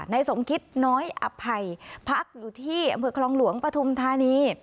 ในสมคิดน้อยอภัยภักดิ์อยู่ที่อำเภกรองหลวงปฐมธานี